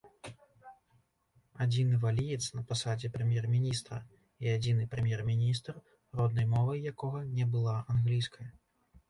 Адзіны валіец на пасадзе прэм'ер-міністра і адзіны прэм'ер-міністр, роднай мовай якога не была англійская.